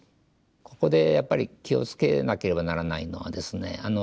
ここでやっぱり気を付けなければならないのはですね